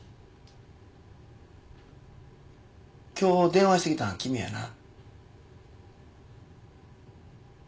今日電話してきたん君やな？